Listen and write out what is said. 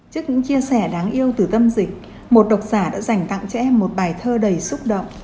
trước những chia sẻ đáng yêu từ tâm dịch một độc giả đã dành tặng cho em một bài thơ đầy xúc động